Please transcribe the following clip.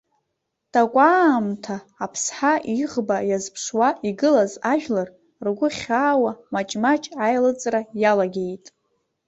Такәаамҭа аԥсҳа иӷба иазԥшуа игылаз ажәлар, ргәы хьаауа маҷ-маҷ аилыҵра иалагеит.